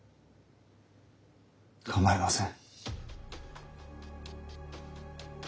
構いません。